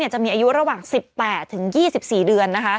จะมีอายุระหว่าง๑๘๒๔เดือน